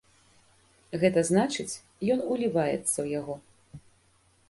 Гэта значыць, ён уліваецца ў яго.